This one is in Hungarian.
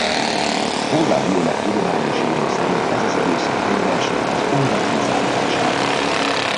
Paul La Violette tudományos író szerint ez az időszak egybeesik az olvadt víz áradásával.